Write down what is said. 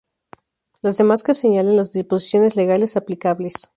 Las demás que señalen las disposiciones legales aplicables.